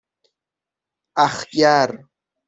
اَخگر